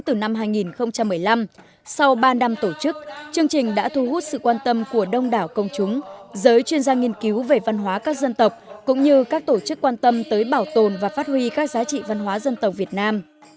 từ năm hai nghìn một mươi năm sau ba năm tổ chức chương trình đã thu hút sự quan tâm của đông đảo công chúng giới chuyên gia nghiên cứu về văn hóa các dân tộc cũng như các tổ chức quan tâm tới bảo tồn và phát huy các giá trị văn hóa dân tộc việt nam